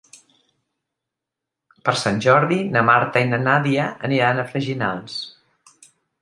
Per Sant Jordi na Marta i na Nàdia aniran a Freginals.